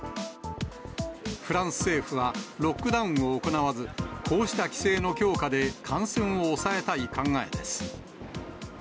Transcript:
フランス政府は、ロックダウンを行わず、こうした規制の強化で感染を抑えたい考えです。